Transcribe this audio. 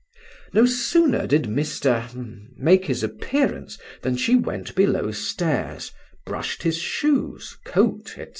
No sooner did Mr. —— make his appearance than she went below stairs, brushed his shoes, coat, &c.